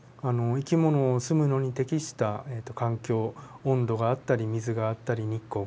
生き物を住むのに適した環境温度があったり水があったり日光があると。